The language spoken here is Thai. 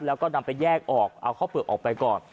แล้วก็นำไปแยกออกเอาข้าวเปลือกออกไปก่อน